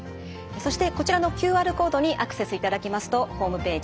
そしてこちらのＱＲコードにアクセスいただきますとホームページ